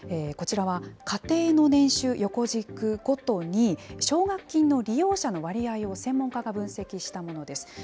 こちらは、家庭の年収横軸ごとに、奨学金の利用者の割合を、専門家が分析したものです。